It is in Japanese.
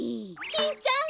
キンちゃん！